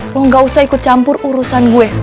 lo gak usah ikut campur urusan gue